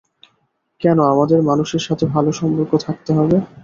কেন আমাদের মানুষের সাথে ভালো সম্পর্ক থাকতে হবে?